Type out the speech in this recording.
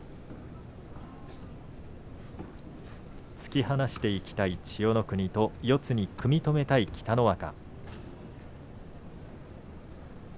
突き放したい千代の国四つに組み止めたい北の若。